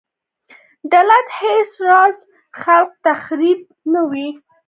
دلته هېڅ راز خلاق تخریب نه و